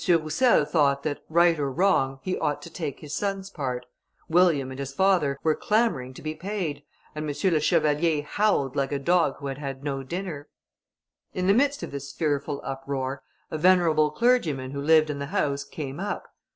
Roussel thought that, right or wrong, he ought to take his son's part; William and his father were clamouring to be paid, and M. le Chevalier howled like a dog who had had no dinner. In the midst of this fearful uproar, a venerable clergyman who lived in the house came up.